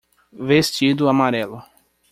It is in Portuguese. Vestido amarelo.